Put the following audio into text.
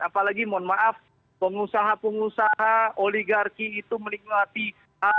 apalagi mohon maaf pengusaha pengusaha oligarki itu melikmati ag